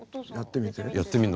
やってみて。